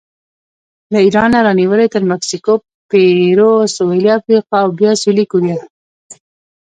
له ایرانه رانیولې تر مکسیکو، پیرو، سویلي افریقا او بیا سویلي کوریا